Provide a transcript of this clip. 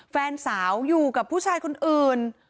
แฟนสาวอยู่กับผู้ชายคนอื่น